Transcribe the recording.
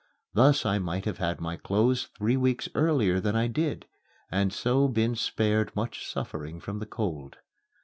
Thus I might have had my clothes three weeks earlier than I did, and so been spared much suffering from the cold.